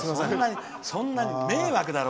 そんなに迷惑だろ！